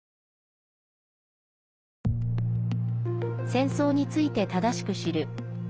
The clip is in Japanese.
戦争について正しく知る。